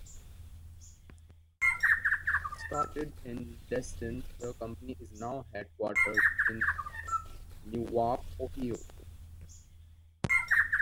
Started in Dresden, the company is now headquartered in Newark, Ohio.